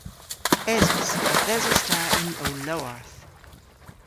Esos. Yth esos ta yn ow lowarth.